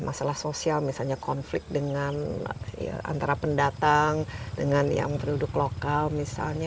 masalah sosial misalnya konflik dengan antara pendatang dengan yang penduduk lokal misalnya